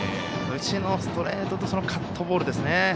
内のストレートとカットボールですね。